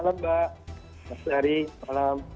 selamat pagi malam